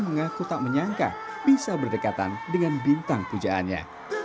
mengaku tak menyangka bisa berdekatan dengan bintang pujaannya